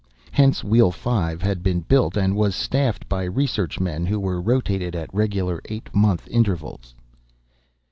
Hence Wheel Five had been built and was staffed by research men who were rotated at regular eight month intervals.